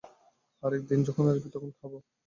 আরেক দিন যখন আসব, তখন খাব।